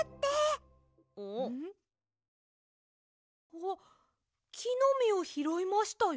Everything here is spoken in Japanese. あっきのみをひろいましたよ。